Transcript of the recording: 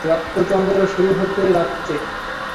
রক্তচন্দ্র শুরু হতে যাচ্ছে।